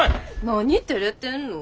何てれてんの？